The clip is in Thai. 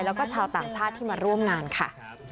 แล้วก็ชาวต่างชาติที่มาร่วมงานค่ะ